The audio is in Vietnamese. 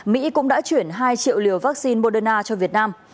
mỹ cũng đã chuyển hai triệu liều vaccine moderna cho việt nam